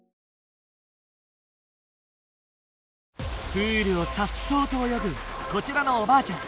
プールをさっそうと泳ぐこちらのおばあちゃん。